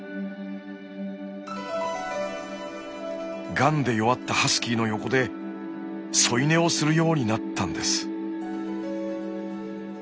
がんで弱ったハスキーの横で添い寝をするようになったんです。